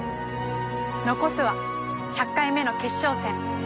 残すは１００回目の決勝戦。